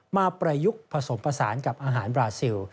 ประยุกต์ผสมผสานกับอาหารบราซิล